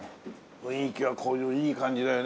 雰囲気はこういういい感じだよね。